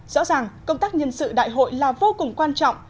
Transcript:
rõ ràng công tác nhân sự đại hội là vô cùng quan trọng